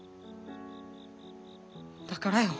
だからよ。